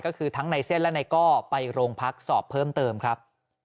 ก็คือทั้งในเส้นและนายก้อไปโรงพักสอบเพิ่มเติมครับ